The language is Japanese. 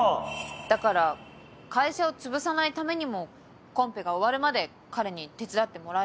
だから会社を潰さないためにもコンペが終わるまで彼に手伝ってもらえたらって。